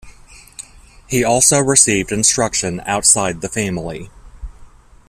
He also received instruction outside the family.